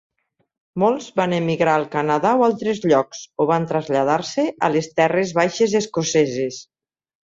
Molts van emigrar al Canadà o altres llocs, o van traslladar-se a les terres baixes escoceses.